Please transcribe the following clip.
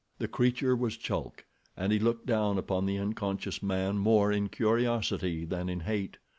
The creature was Chulk, and he looked down upon the unconscious man more in curiosity than in hate.